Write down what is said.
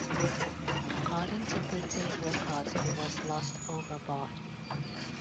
According to British records he was lost overboard.